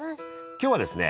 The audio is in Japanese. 今日はですね